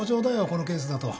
このケースだと。